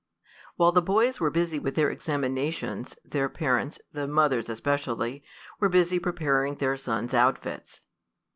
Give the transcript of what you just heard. While the boys were busy with their examinations, their parents the mothers especially were busy preparing their sons' outfits.